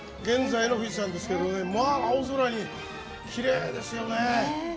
現在の富士山ですが青空にきれいですよね。